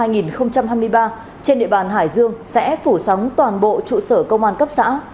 năm hai nghìn hai mươi ba trên địa bàn hải dương sẽ phủ sóng toàn bộ trụ sở công an cấp xã